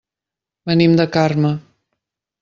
Venim de Carme.